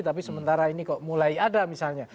tapi sementara ini kok mulai ada misalnya